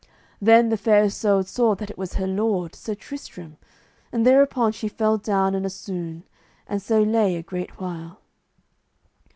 Then the Fair Isoud saw that it was her lord, Sir Tristram, and thereupon she fell down in a swoon, and so lay a great while.